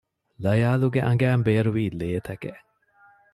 ލަޔާލުގެ އަނގައިން ބޭރުވީ ލޭތަކެއް